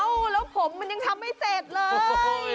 แล้วผมมันยังทำไม่เสร็จเลย